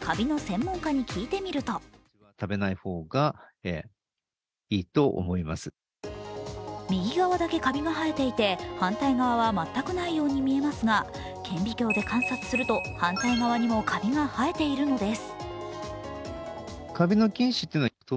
カビの専門家に聞いてみると右側だけカビが生えていて反対側は全くないように見えますが顕微鏡で観察すると、反対側にもカビが生えているのです。